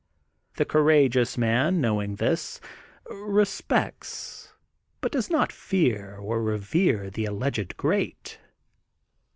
The courageous man, knowing this, respects, but does not fear or revere the alleged great.